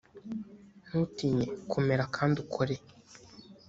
ntutinye komera kandi ukore